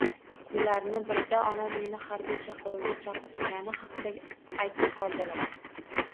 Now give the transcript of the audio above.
Kunlarni birida onam meni xarbiy chaqiruvga chaqirishgani xaqida aytib qoldilar